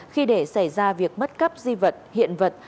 khi để xảy ra việc mất cắp di vật hiện vật